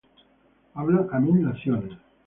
Hablan á mil Naciones,